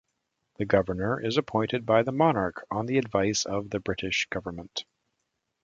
The Governor is appointed by the monarch on the advice of the British government.